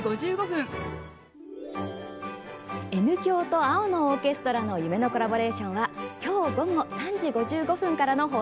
Ｎ響とアニメ「青のオーケストラ」の夢のコラボレーションは今日、午後３時５５分から。